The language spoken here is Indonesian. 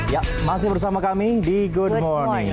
ya masih bersama kami di good morning